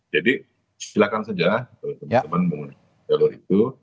jadi silahkan saja kalau teman teman menggunakan jalur itu